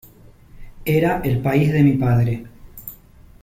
Era el país de mi padre.